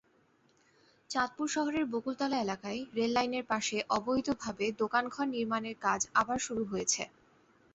চাঁদপুর শহরের বকুলতলা এলাকায় রেললাইনের পাশে অবৈধভাবে দোকানঘর নির্মাণের কাজ আবার শুরু হয়েছে।